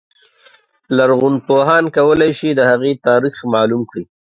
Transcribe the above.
لرغونپوهان کولای شي د هغې تاریخ معلوم کړي.